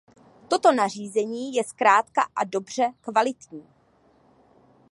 Toto nařízení je zkrátka a dobře kvalitní.